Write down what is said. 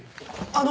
あの！